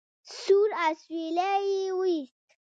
سوړ اسويلی يې ويست.